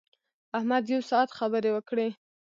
احمد یو ساعت خبرې وکړې.